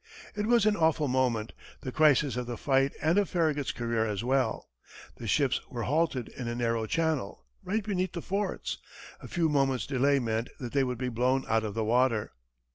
It was an awful moment the crisis of the fight and of Farragut's career as well. The ships were halted in a narrow channel, right beneath the forts; a few moments' delay meant that they would be blown out of the water.